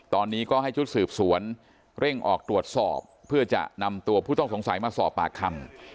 ตอนนี้ก็ให้ชุดสืบสวนเร่งออกตรวจสอบเพื่อจะนำตัวผู้ต้องสงสัยมาสอบปากคำ